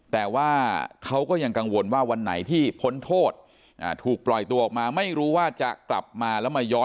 แต่ว่าเขาก็ยังกังวลว่าวันไหนที่พ้นโทษถูกปล่อยตัวออกมา